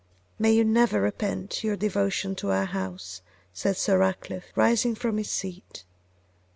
'May you never repent your devotion to our house!' said Sir Ratcliffe, rising from his seat.